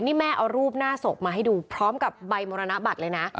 นี่แม่เอารูปหน้าศพมาให้ดูพร้อมกับใบมรณบัตรเลยนะ